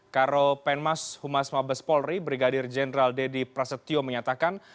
karo penmas humas mabes polri brigadir jenderal deddy prasetyo menyatakan